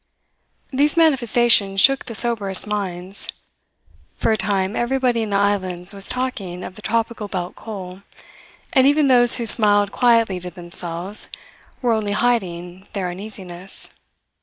These manifestations shook the soberest minds. For a time everybody in the islands was talking of the Tropical Belt Coal, and even those who smiled quietly to themselves were only hiding their uneasiness.